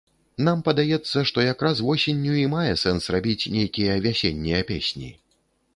Нам падаецца, што як раз восенню і мае сэнс рабіць нейкія вясеннія песні.